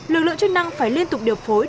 lực lượng chức năng phải liên tục điều phối